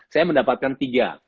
saya mendapatkan tiga